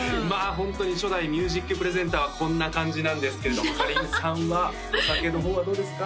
ホントに初代ミュージック・プレゼンターはこんな感じなんですけれどもかりんさんはお酒の方はどうですか？